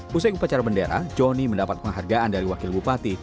pusat kepecar bendera johnny mendapat penghargaan dari wakil bupati